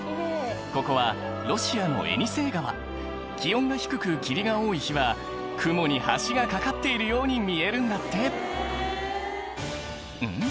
ここはロシアのエニセイ川気温が低く霧が多い日は雲に橋が架かっているように見えるんだってうん？